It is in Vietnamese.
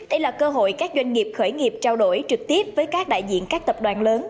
đây là cơ hội các doanh nghiệp khởi nghiệp trao đổi trực tiếp với các đại diện các tập đoàn lớn